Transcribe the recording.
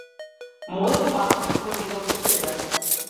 Мојот пасош го зедов со себе.